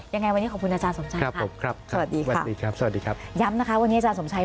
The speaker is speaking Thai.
ยังไงวันนี้ขอบคุณอาจารย์สมชัยค่ะสวัสดีครับย้ำนะคะวันนี้อาจารย์สมชัย